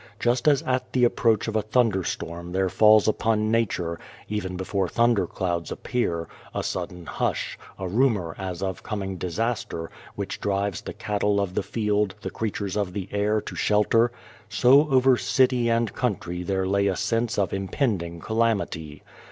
Just as at the approach of a thunder storm there falls upon nature even before thunder clouds appear a sudden hush, a rumour as of coming disaster, which drives the cattle of the field, the creatures of the air to shelter so over city and country there lay a sense of impending calamity.